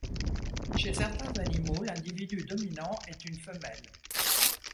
Chez certains animaux, l'individu dominant est une femelle.